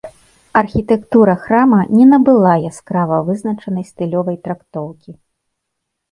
Архітэктура храма не набыла яскрава вызначанай стылёвай трактоўкі.